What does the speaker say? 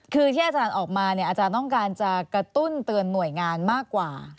คือที่อาจารย์ออกมาเนี่ยอาจารย์ต้องการจะกระตุ้นเตือนหน่วยงานมากกว่า